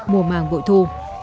mùa màng vội thu